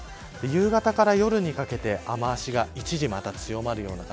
夕方から夜にかけて雨脚が一時また強まるような形。